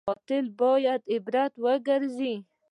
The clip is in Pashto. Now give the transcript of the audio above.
قاتل باید عبرت وګرځي